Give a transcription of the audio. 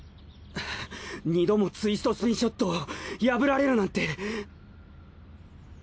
２度もツイストスピンショットを破られるなんて。